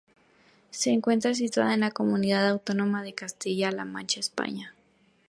Se encuentra situada en la Comunidad Autónoma de Castilla-La Mancha, España.